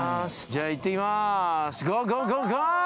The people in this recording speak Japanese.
じゃあ行ってきます。